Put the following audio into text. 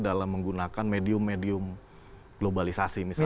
dalam menggunakan medium medium globalisasi misalnya